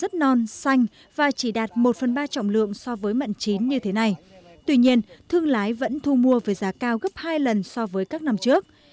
thương lái thu mua mận non với giá cao gấp hai lần so với các năm trước